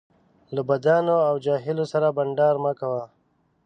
له بدانو او جاهلو سره بنډار مه کوه